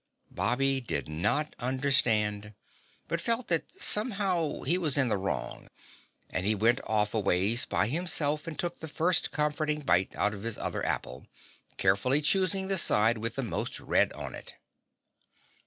Bobby did not understand, but felt that somehow he was in the wrong, and he went off a ways by himself and took the first comforting bite out of his other apple, carefully choosing the side with the most red on it.